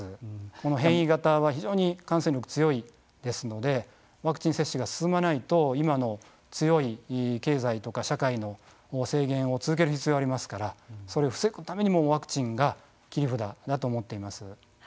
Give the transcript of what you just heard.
この変異型は非常に感染力強いですのでワクチン接種が進まないと今の強い経済とか社会の制限を続ける必要がありますからそれを防ぐためにもワクチンが切り札だと思っています。